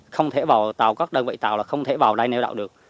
không thể vào tàu các đơn vị tàu là không thể vào đây neo đậu được